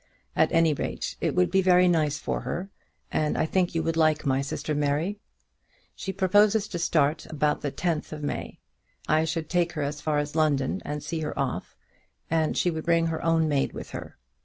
At any rate, it would be very nice for her, and I think you would like my sister Mary. She proposes to start about the 10th of May. I should take her as far as London and see her off, and she would bring her own maid with her.